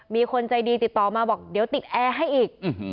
มีคนใจดีติดต่อมาบอกเดี๋ยวติดแอร์ให้อีก